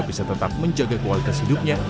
bisa tetap menjaga kualitas hidupnya